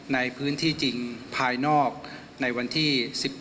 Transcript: ในพื้นที่จริงภายนอกในวันที่๑๗